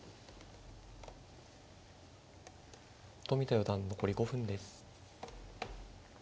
冨田四段残り５分です。